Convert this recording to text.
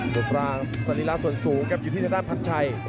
ตรวจร้างสนิราส่วนสูงครับอยู่ที่ภรรดาพันชัย